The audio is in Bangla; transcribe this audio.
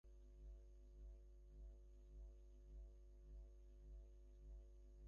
সে বুঝলে এটা অসুস্থ মানুষের কথা, বিপ্রদাস তো এরকম হালছাড়া প্রকৃতির লোক নয়।